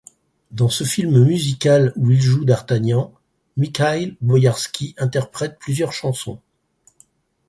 Dans ce film musical où il joue D'Artagnan Mikhaïl Boïarski interprète plusieurs chansons.